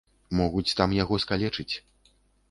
Могуць там яго скалечыць.